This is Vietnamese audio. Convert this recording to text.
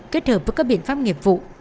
kết hợp với các biện pháp nghiệp vụ